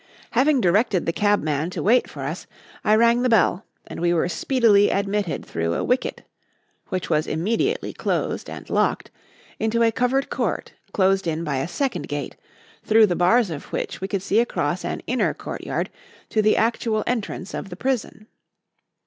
Having directed the cabman to wait for us, I rang the bell and we were speedily admitted through a wicket (which was immediately closed and locked) into a covered court closed in by a second gate, through the bars of which we could see across an inner courtyard to the actual entrance to the prison.